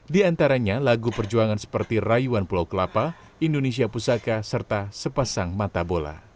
di antaranya lagu perjuangan seperti rayuan pulau kelapa indonesia pusaka serta sepasang mata bola